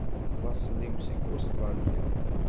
Laṣel-iw seg Ustṛalya.